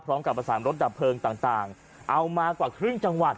พร้อมกับประสานรถดับเพลิงต่างเอามากว่าครึ่งจังหวัด